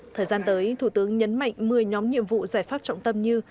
thời gian tới thủ tướng nhấn mạnh một mươi nhóm nhiệm vụ giải pháp trọng tâm như